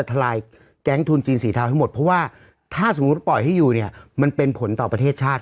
ทลายแก๊งทุนจีนสีเทาทั้งหมดเพราะว่าถ้าสมมุติปล่อยให้อยู่เนี่ยมันเป็นผลต่อประเทศชาติ